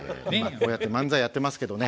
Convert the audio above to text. こうやって漫才やってますけどね